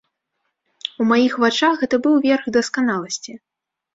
У маіх вачах гэта быў верх дасканаласці.